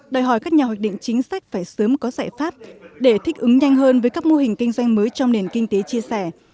đòi hỏi các nhà hoạch định chính sách phải sớm có giải pháp để thích ứng nhanh hơn với các mô hình kinh doanh mới trong nền kinh tế chia sẻ